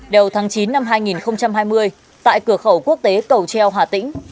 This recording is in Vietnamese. đầu tháng chín năm hai nghìn hai mươi tại cửa khẩu quốc tế cầu treo hà tĩnh